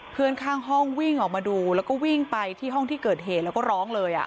เพื่อนข้างห้องวิ่งออกมาดูแล้วก็วิ่งไปที่ห้องที่เกิดเหตุแล้วก็ร้องเลย